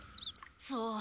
そう。